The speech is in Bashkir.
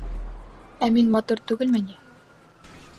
Ә мин матур түгелме ни?